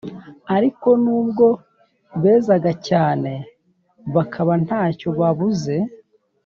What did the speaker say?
Ariko nubwo bezaga cyane bakaba ntacyo babuze,